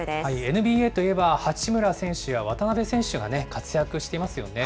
ＮＢＡといえば、八村選手や渡邊選手が活躍していますよね。